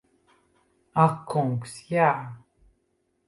Ak kungs, jā!